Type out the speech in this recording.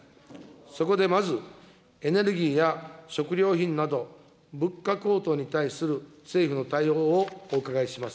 そこでまず、エネルギーや食料品など物価高騰に対する政府の対応をお伺いします。